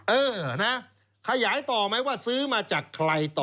เออนะขยายต่อไหมว่าซื้อมาจากใครต่อ